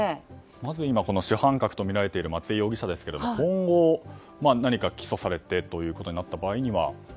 まず今、主犯格とみられる松江容疑者ですが今後何か起訴されてということになった場合には。